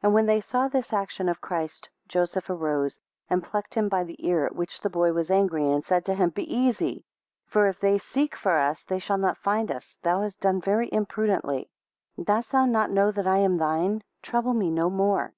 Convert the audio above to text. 18 And when they saw this action of Christ, Joseph arose, and plucked him by the ear, at which the boy was angry, and said to him, Be easy; 19 For if they seek for us, they shall not find us: thou hast done very imprudently. 20 Dost thou not know that I am thine? Trouble me no more.